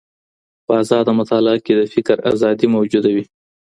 په ازاده مطالعه کي د فکر ازادي موجوده وي.